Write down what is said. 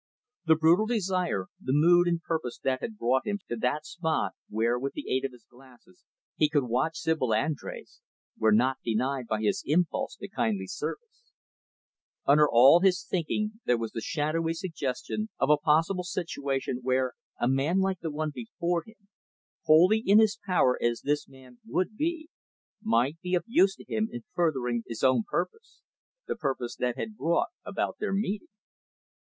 The brutal desire, the mood and purpose that had brought him to that spot where with the aid of his glass he could watch Sibyl Andrés, were not denied by his impulse to kindly service. Under all his thinking, as he considered how he could help the convict to a better life, there was the shadowy suggestion of a possible situation where a man like the one before him wholly in his power as this man would be might be of use to him in furthering his own purpose the purpose that had brought about their meeting.